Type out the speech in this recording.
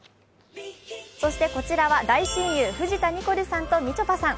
そしてこちらは、大親友、藤田ニコルさんとみちょぱさん。